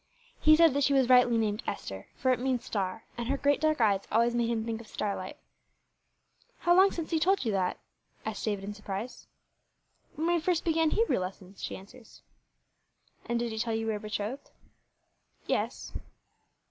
"He said that she was rightly named Esther, for it means star, and her great, dark eyes always made him think of starlight." "How long ago since he told you that?" asked David in surprise. "When we first began taking Hebrew lessons," she answered. "And did he tell you we are bethrothed?" "Yes."